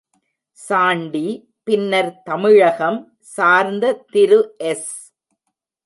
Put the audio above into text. சாண்டி, பின்னர், தமிழகம் சார்ந்த திரு எஸ்.